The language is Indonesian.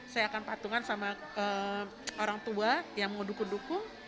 saya akan patungan sama orang tua yang mau dukung dukung